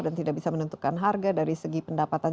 dan tidak bisa menentukan harga dari segi pendapatan